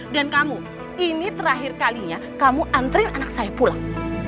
dan kamu ini terakhir kalinya kamu anterin anak saya pulang